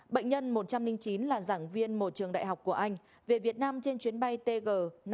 bệnh nhân một trăm linh chín là giảng viên một trường đại học của anh về việt nam trên chuyến bay tg năm trăm bốn mươi